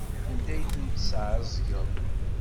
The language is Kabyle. Anda ay ten-tesɛeẓgeḍ?